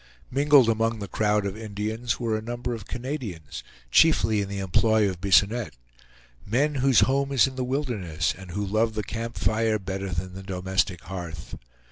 Mingled among the crowd of Indians were a number of Canadians, chiefly in the employ of Bisonette; men, whose home is in the wilderness, and who love the camp fire better than the domestic hearth.